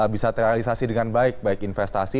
bisa terrealisasi dengan baik baik investasi